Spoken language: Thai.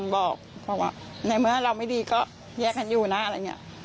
บอกว่าในเมื่อเราไม่ดีก็แยกกันอยู่นะอะไรอย่างนี้